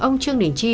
ông trương đình chi